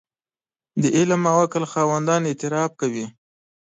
د علم او عقل خاوندان اعتراف کوي.